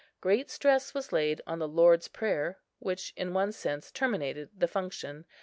Great stress was laid on the Lord's prayer, which in one sense terminated the function.